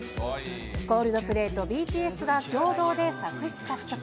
コールドプレイとＢＴＳが共同で作詞作曲。